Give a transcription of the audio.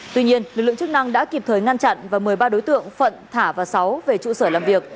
tuy nhiên lực lượng chức năng đã kịp thời ngăn chặn và mời ba đối tượng phận thả và sáu về trụ sở làm việc